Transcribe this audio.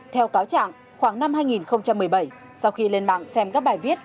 theo cáo trạng khoảng năm hai nghìn một mươi bảy sau khi lên mạng xem các bài viết